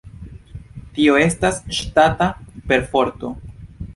Tio estas ŝtata perforto.